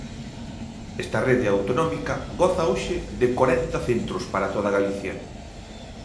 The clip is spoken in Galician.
Esta rede autonómica goza hoxe de corenta centros para toda Galicia.